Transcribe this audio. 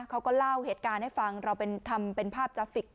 เขาก็เล่าเหตุการณ์ให้ฟังเราทำเป็นภาพกราฟิก